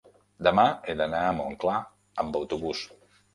demà he d'anar a Montclar amb autobús.